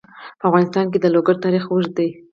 په افغانستان کې د لوگر تاریخ اوږد دی.